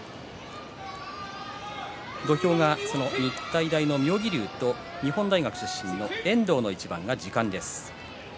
土俵が日体大の妙義龍と日本大学出身の遠藤の一番が時間です。